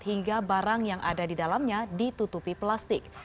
hingga barang yang ada di dalamnya ditutupi plastik